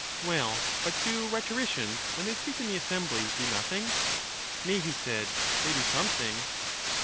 Well, but do rhetoricians, when they speak in the assembly, do nothing? Nay, he said, they do something.